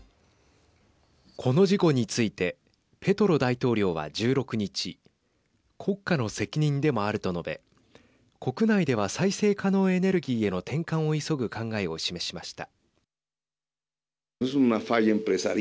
この事故についてペトロ大統領は１６日国家の責任でもあると述べ国内では再生可能エネルギーへの転換を急ぐ考えを示しました。